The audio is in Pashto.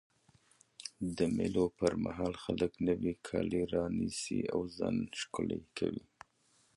د مېلو پر مهال خلک نوی کالي رانيسي او ځان ښکلی کوي.